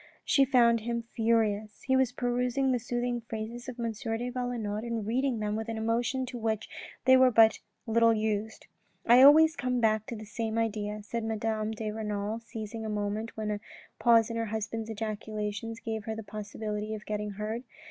She found him furious. He was perusing the soothing phrases of M. de Valenod and reading them with an emotion to which they were but little used. " I always come back to the same idea," said Madame de Renal seizing a moment when a pause in her husband's ejaculations gave her the possibility of getting heard.